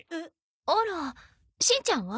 あらしんちゃんは？